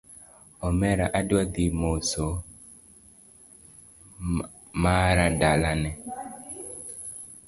Omera adwa dhi moso mara dalane